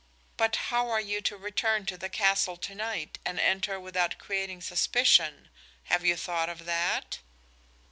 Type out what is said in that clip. But how are you to return to the castle tonight and enter without creating suspicion? Have you thought of that?"